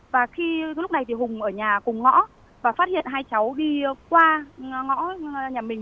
và khi lúc này thì hùng ở nhà cùng ngõ và phát hiện hai cháu đi qua ngõ nhà mình